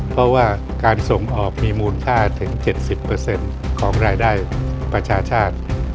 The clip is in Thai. เพราะว่าการส่งออกมีมูลค่าถึง๗๐ของรายได้ประชาชาติ